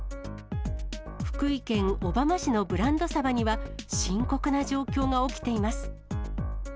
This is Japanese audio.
福井県小浜市のブランドサバには、深刻な状況が起きています。